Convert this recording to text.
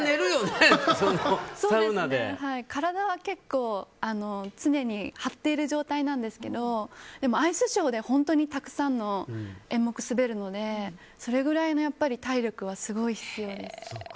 体は結構常に張っている状態なんですけどでもアイスショーで本当にたくさんの演目を滑るのでそれぐらいの体力はすごい必要です。